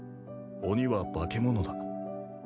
鬼は化け物だ。